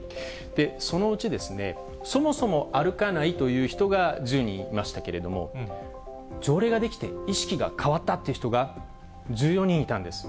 そのうち、そもそも歩かないという人が１０人いましたけれども、条例が出来て意識が変わったっていう人が１４人いたんです。